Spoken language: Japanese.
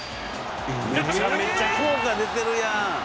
めちゃくちゃ効果出てるやん。